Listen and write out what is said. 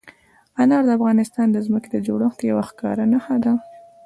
انار د افغانستان د ځمکې د جوړښت یوه ښکاره نښه ده.